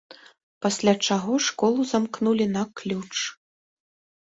Пасля чаго школу замкнулі на ключ.